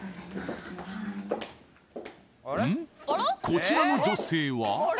こちらの女性は？